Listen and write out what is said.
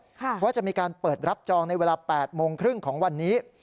ว่าจะมีการเปิดรับจองในเวลา๘โมงครึ่งของวันนี้